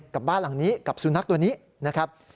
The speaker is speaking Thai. กับบ้านหลังนี้กับสุนัขตัวนี้นะครับ